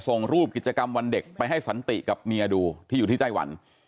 ส่งรูปกิจกรรมวันเด็กไปให้สันติกับเมียดูที่อยู่ที่ไต้หวัน